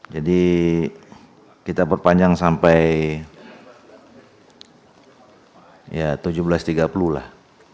jadi kita perpanjang sampai tujuh belas tiga puluh lah